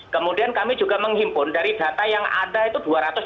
kemudian kami juga menghimpun dari data yang ada itu dua ratus lima puluh